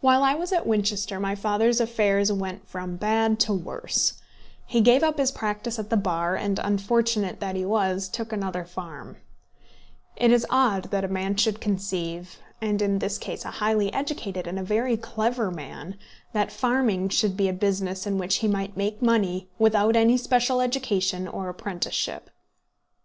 While I was at Winchester my father's affairs went from bad to worse. He gave up his practice at the bar, and, unfortunate that he was, took another farm. It is odd that a man should conceive, and in this case a highly educated and a very clever man, that farming should be a business in which he might make money without any special education or apprenticeship.